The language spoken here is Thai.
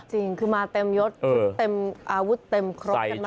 จริงคือมาเต็มยศอาวุธเต็มครบกันมาก